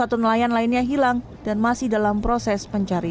satu nelayan lainnya hilang dan masih dalam proses pencarian